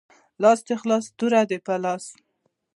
لاس دی خلاص توره دی په لاس